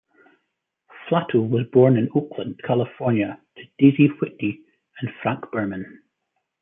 Flato was born in Oakland, California to Daisy Whitney and Frank Burman.